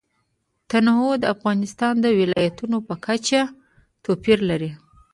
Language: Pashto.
تنوع د افغانستان د ولایاتو په کچه توپیر لري.